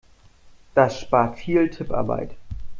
Das spart viel Tipparbeit.